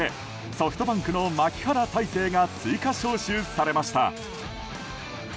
ソフトバンクの牧原大成が追加招集されました。